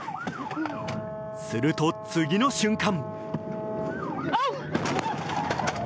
すると、次の瞬間。